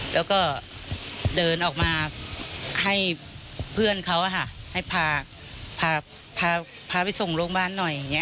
แล้วก็เดินออกมาให้เพื่อนเขาให้พาไปส่งโรงพยาบาลหน่อยอย่างนี้